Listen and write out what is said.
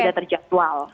yang sudah terjadwal